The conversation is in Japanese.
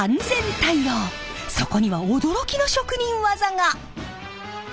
そこには驚きの職人技が！